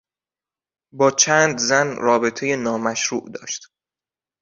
با چند زن رابطهی نامشروع داشت.